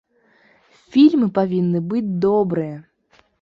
Фільмы павінны быць добрыя.